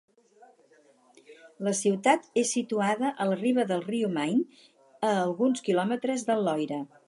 La ciutat és situada a la riba del riu Maine, a alguns quilòmetres del Loira.